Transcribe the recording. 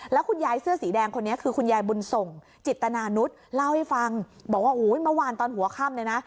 แล้วคุณยายเสื้อสีแดงคนนี้คือคุณยายบุญส่งจิตนานุษย์เล่าให้ฟังบอกว่าอุ้ยเมื่อวานตอนหัวค่ำเลยนะ